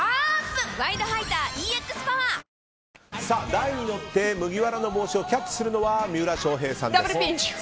台に乗って麦わら帽子をキャッチするのは三浦翔平さんです。